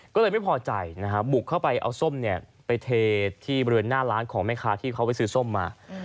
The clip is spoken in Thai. ก็เลยไม่พอใจนะฮะบุกเข้าไปเอาส้มไปเทที่บริเวณหน้าร้านของแม่ค้าที่เขาไปซื้อส้มมา